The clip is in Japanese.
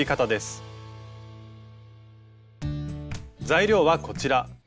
材料はこちら。